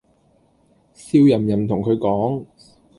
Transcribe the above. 笑淫淫同佢講